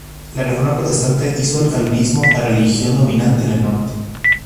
La reforma protestante hizo del calvinismo la religión dominante en el norte.